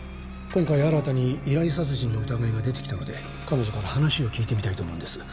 今回新たに依頼殺人の疑いが出てきたので彼女から話を聞いてみたいと思うんです